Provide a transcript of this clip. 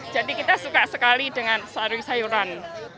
jadi kita suka sekali dengan sayuran